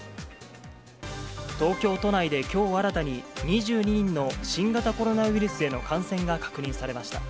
東京都内で、きょう新たに２２人の新型コロナウイルスへの感染が確認されました。